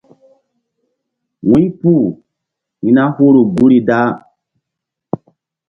Wu̧ypu hi̧ na huru guri da.